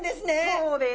そうです。